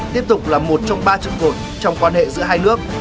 tiếp tục là một trong ba trận cột trong quan hệ giữa hai nước